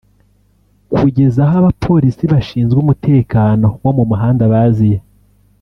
kugeza aho abapolisi bashinzwe umutekano wo mu muhanda baziye